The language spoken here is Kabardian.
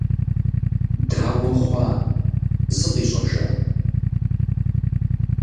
Дауэ хъуа, зыкъищӀэжа?